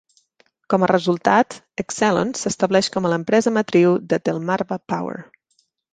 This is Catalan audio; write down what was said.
Com a resultat, Exelon s'estableix com a l'empresa matriu de Delmarva Power.